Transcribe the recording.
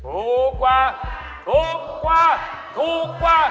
ถูกกว่าถูกกว่าถูกกว่า